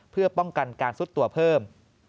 เพื่อป้องกันการซุดตัวเพิ่ม